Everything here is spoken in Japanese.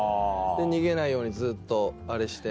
逃げないようにずっとあれして。